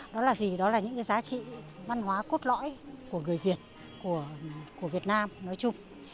đó là gì đó là những cái giá trị văn hóa cốt lõi của người việt của việt nam nói chung